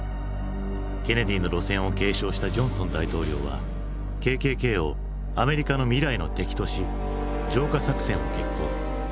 ケネディの路線を継承したジョンソン大統領はＫＫＫを「アメリカの未来の敵」とし浄化作戦を決行。